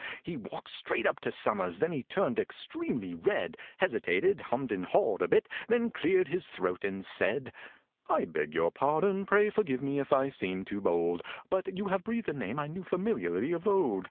He walked straight up to SOMERS, then he turned extremely red, Hesitated, hummed and hawed a bit, then cleared his throat, and said: "I beg your pardon—pray forgive me if I seem too bold, But you have breathed a name I knew familiarly of old.